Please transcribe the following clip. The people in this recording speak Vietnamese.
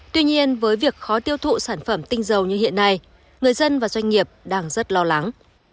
tuy nhiên với việc khó tiêu thụ sản phẩm tinh dầu như hiện nay người dân và doanh nghiệp đang rất lo lắng